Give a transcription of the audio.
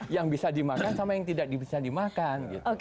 yang bisa dimakan sama yang tidak bisa dimakan